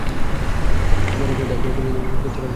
যখন সে ডাইভ সেরে ফিরছিল তখন তার সঙ্গে আমাদের দেখা হয়।